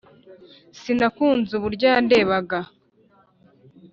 sinakunze uburyo yandebaga